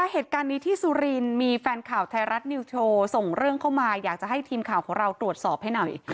เหตุการณ์นี้ที่สุรินทร์มีแฟนข่าวไทยรัฐนิวส์โชว์ส่งเรื่องเข้ามาอยากจะให้ทีมข่าวของเราตรวจสอบให้หน่อย